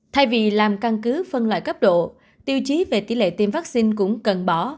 thay vì làm căn cứ phân loại cấp độ tiêu chí về tỷ lệ tiêm vaccine cũng cần bỏ